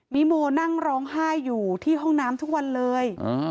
โมนั่งร้องไห้อยู่ที่ห้องน้ำทุกวันเลย